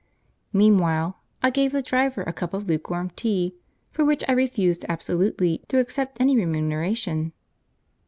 Meanwhile I gave the driver a cup of lukewarm tea, for which I refused absolutely to accept any remuneration.